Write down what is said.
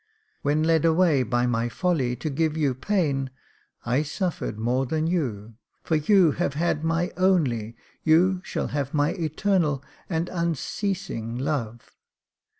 When led away by my folly to give you pain, I suffered more than you — for you have had my only, you shall have my eternal and unceasing, love.